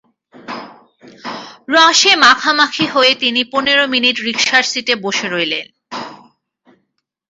রসে মাখামাখি হয়ে তিনি পনের মিনিট রিকশার সিটে বসে রইলেন।